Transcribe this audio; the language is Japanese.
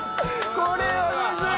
これはむずい！